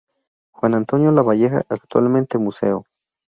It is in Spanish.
Juan Antonio Lavalleja, actualmente museo.